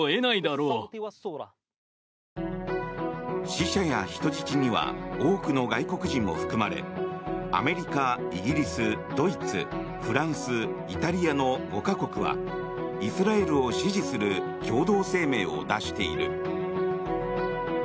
死者や人質には多くの外国人も含まれアメリカ、イギリス、ドイツフランス、イタリアの５か国はイスラエルを支持する共同声明を出している。